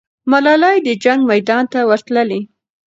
ملالۍ د جنګ میدان ته ورتللې.